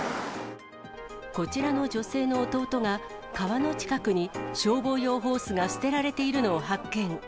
こちらの女性の弟が、川の近くに消防用ホースが捨てられているのを発見。